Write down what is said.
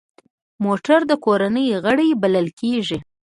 موټر د کورنۍ غړی بلل کېږي.